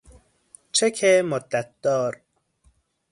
چک مدت دار